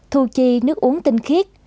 thu chi nước uống tinh khiết